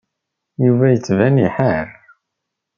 Yuba yettban iḥar.